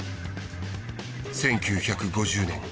１９５０年